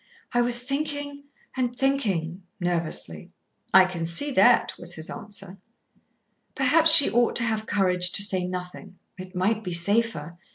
"I was thinking and thinking," nervously. "I can see that," was his answer. Perhaps she ought to have courage to say nothing. It might be safer.